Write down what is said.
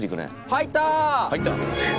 入った！